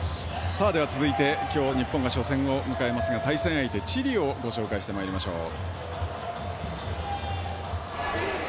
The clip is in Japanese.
続いて、今日日本が初戦を迎えますが対戦相手、チリをご紹介してまいりましょう。